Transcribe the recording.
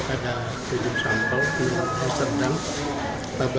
ada tujuh sampel di deli serdang